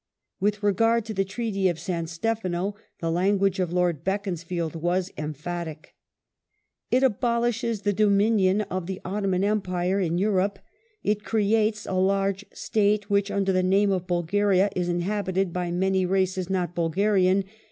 ^ With re gard to the Treaty of San Stefano the language of Lord Beacons field was emphatic : "It abolishes the dominion of the Ottoman Empire in Europe ; it creates a large State which, under the name of Bulgaria, is inhabited by many races not Bulgarian